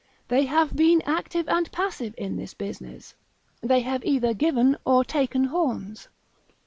They have been active and passive in this business, they have either given or taken horns.